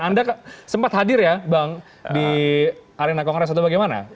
anda sempat hadir ya bang di arena kongres atau bagaimana